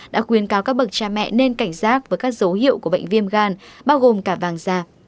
đã khuyên cáo các bậc cha mẹ nên cảnh giác với các dấu hiệu của bệnh viêm gan bao gồm cả vàng da